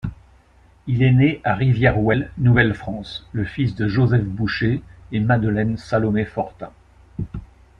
Il est né à Rivière-Ouelle, Nouvelle-France, le fils de Joseph Boucher et Magdeleine-Salomée Fortin.